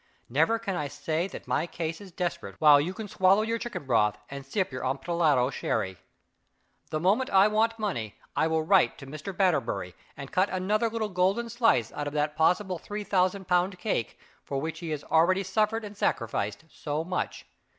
Never can I say that my case is desperate while you can swallow your chicken broth and sip your Amontillado sherry. The moment I want money, I will write to Mr. Batterbury, and cut another little golden slice out of that possible three thousand pound cake, for which he has already suffered and sacrificed so much.